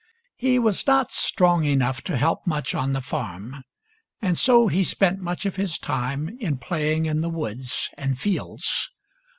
He was not strong enough to help much on the farm ; and so he spent much of his time in playing in the woods and fields.